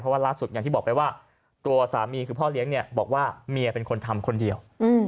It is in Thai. ว่าล่าสุดอย่างที่บอกไปว่าตัวสามีคือพ่อเลี้ยงเนี่ยบอกว่าเมียเป็นคนทำคนเดียว